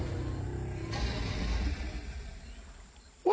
お！